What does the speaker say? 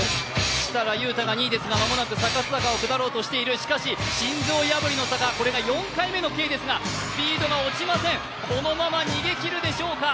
設楽悠太が２位ですが、間もなくサカス坂を下ろうとしている、しかし心臓破りの坂、これが４回目のＫですがスピードが落ちません、このまま逃げ切るでしょうか。